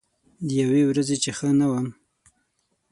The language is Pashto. د یوې ورځې چې ښه نه وم